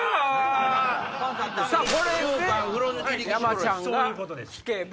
これで山ちゃんが引けば。